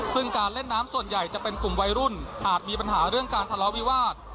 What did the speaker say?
ซึ่งการเล่นน้ำส่วนใหญ่จะเป็นกลุ่มวัยรุ่นอาจมีปัญหาเรื่องการทะเลาะวิวาส